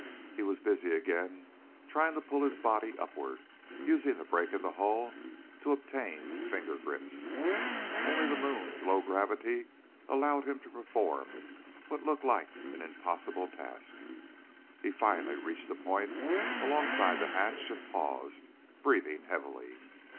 He was busy again trying to pull his body upward, using the break in the hull to obtain finger grips. Only the moon's low gravity allowed him to perform what looked like an impossible task. He finally reached a point alongside the hatch and paused, breathing heavily.